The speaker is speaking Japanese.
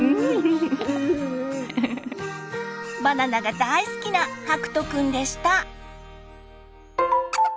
バナナが大好きなはくとくんでした！